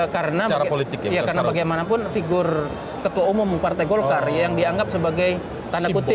karena bagaimanapun figur ketua umum partai golkar yang dianggap sebagai tanda putih